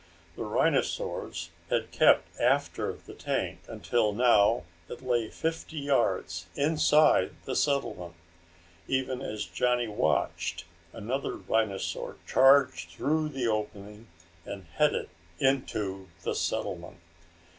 The rhinosaurs had kept after the tank until now it lay fifty yards inside the settlement. Even as Johnny watched, another rhinosaur charged through the opening and headed into the settlement.